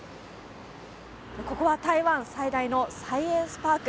ここは台湾最大のサイエンスパーク。